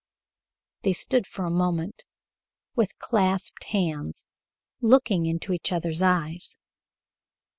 They stood for a moment with clasped hands, looking into each other's eyes.